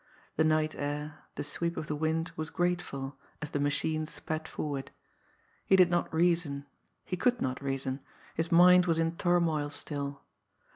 The night air, the sweep of the wind was grateful, as the machine sped forward. He did not reason, he could not reason his mind was in turmoil still.